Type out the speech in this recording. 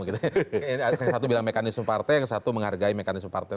yang satu bilang mekanisme partai yang satu menghargai mekanisme partai